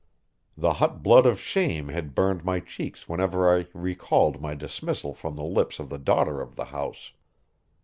The hot blood of shame had burned my cheeks whenever I recalled my dismissal from the lips of the daughter of the house.